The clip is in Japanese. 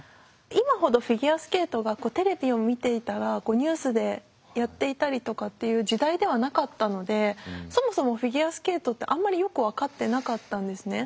今ほどフィギュアスケートがテレビを見ていたらニュースでやっていたりとかっていう時代ではなかったのでそもそもフィギュアスケートってあんまりよく分かってなかったんですね。